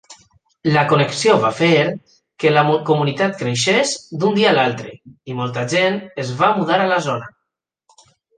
La connexió va fer que la comunitat creixés d'un dia a l'altre i molta gent es va mudar a la zona.